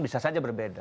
bisa saja berbeda